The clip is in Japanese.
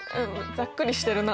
ざっくりしてるな。